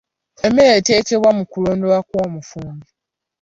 Emmere etegekebwa mu kulondoolwa kw'omufumbi.